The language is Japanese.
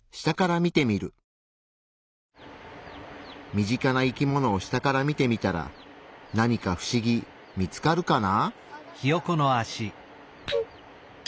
身近な生き物を下から見てみたらなにかフシギ見つかるかな？